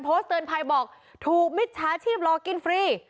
โพสต์เตือนภัยบอกถูกมิจฉาชีพรอกินฟรี